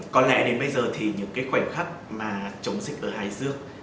có lẽ đến bây giờ thì những khoảnh khắc chống dịch ở hải dương